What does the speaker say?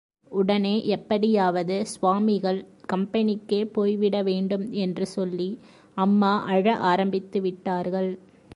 உடனே எப்படியாவது சுவாமிகள் கம்பெனிக்கே போய்விட வேண்டும் என்று சொல்லி, அம்மா அழ ஆரம்பித்து விட்டார்கள்.